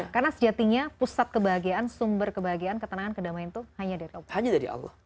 karena sejatinya pusat kebahagiaan sumber kebahagiaan ketenangan kedamaian itu hanya dari allah